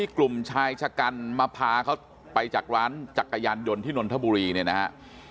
กลุ่มชายชะกันมาพาเขาไปจากร้านจักรยานยนต์ที่นนทบุรีเนี่ยนะฮะ